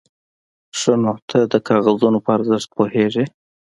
_ښه، نو ته د کاغذونو په ارزښت پوهېږې؟